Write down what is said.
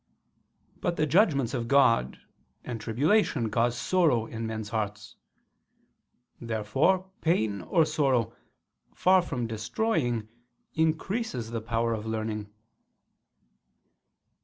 But the judgments of God and tribulation cause sorrow in men's hearts. Therefore pain or sorrow, far from destroying, increases the power of learning.